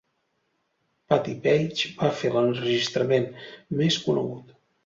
Patti Page va fer l'enregistrament més conegut.